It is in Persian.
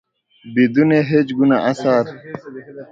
بدون هیچگونه اثر